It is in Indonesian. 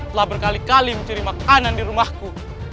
telah berkali kali mencuri makanan di rumahku